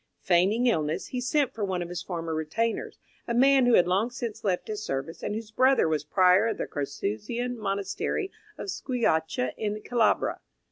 Feigning illness, he sent for one of his former retainers, a man who had long since left his service, and whose brother was Prior of the Carthusian Monastery of Squillace, in Calabria.